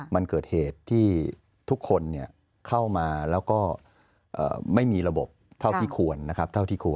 มันเกิดเหตุที่ทุกคนเข้ามาแล้วก็ไม่มีระบบเท่าที่ควรนะครับเท่าที่ควร